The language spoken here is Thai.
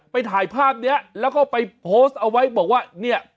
ไปถ่ายภาพนี้แล้วก็ไปโพสต์เอาไว้บอกว่าเนี่ย